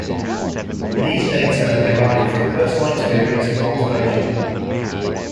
These data are derived from personal experience and observations.